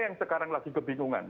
yang sekarang lagi kebingungan